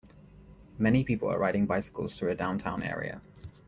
Many people are riding bicycles through a downtown area.